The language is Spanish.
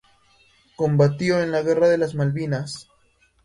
Combatió en la guerra de las Malvinas.